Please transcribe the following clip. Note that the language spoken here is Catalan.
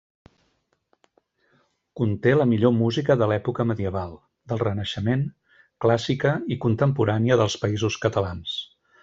Conté la millor música de l’època medieval, del renaixement, clàssica i contemporània dels Països Catalans.